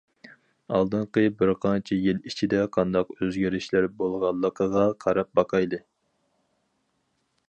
ئالدىنقى بىر قانچە يىل ئىچىدە قانداق ئۆزگىرىشلەر بولغانلىقىغا قاراپ باقايلى.